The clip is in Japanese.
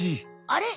あれ？